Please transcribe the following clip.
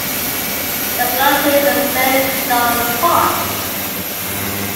The club plays at Saint Johns Park.